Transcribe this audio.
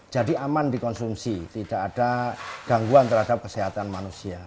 jadi aman dikonsumsi tidak ada gangguan terhadap kesehatan manusia